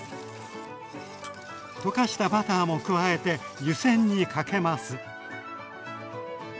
溶かしたバターも加えて湯煎にかけます。